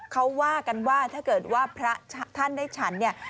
เขาว่ากันว่าถ้าเกิดว่าพระท่านได้ฉันเนี่ย